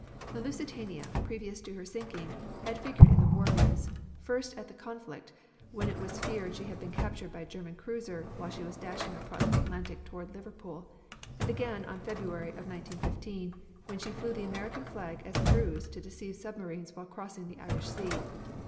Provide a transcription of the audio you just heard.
The Lusitania, previous to her sinking, had figured in the war news, first at the conflict, when it was feared she had been captured by a German cruiser while she was dashing across the Atlantic toward Liverpool, and again in February of 1915, when she flew the American flag as a ruse to deceive submarines while crossing the Irish Sea.